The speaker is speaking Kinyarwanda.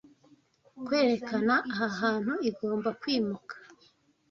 Kwerekana aha hantu. Igomba kwimuka